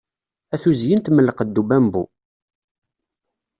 A tuzyint mm lqedd ubambu